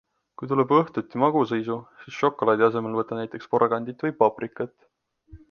Kui tuleb õhtuti magusaisu, siis šokolaadi asemel võta näiteks porgandit või paprikat.